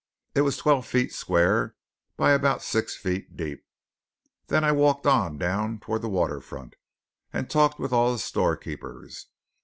It was twelve feet square by about six feet deep! Then I walked on down toward the water front, and talked with all the storekeepers.